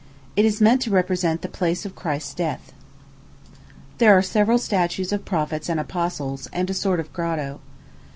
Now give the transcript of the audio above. It is meant to represent the place of Christ's death. There are several statues of prophets and apostles, and a sort of grotto.